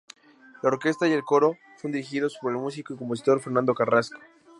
La orquesta y el coro son dirigidos por el músico y compositor Fernando Carrasco.